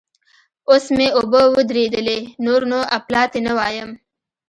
اوس مې اوبه ودرېدلې؛ نور نو اپلاتي نه وایم.